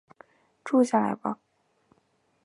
住下来吧